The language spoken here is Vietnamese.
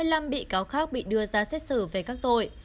và tám mươi năm bị cáo khác bị đưa ra xét xử về các tội